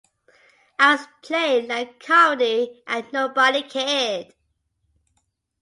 I was playing light comedy and nobody cared.